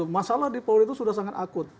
masalah di polri itu sudah sangat akut